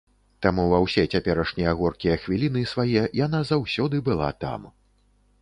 Таму ва ўсе цяперашнія горкія хвіліны свае яна заўсёды была там.